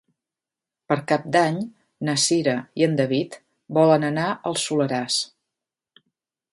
Per Cap d'Any na Cira i en David volen anar al Soleràs.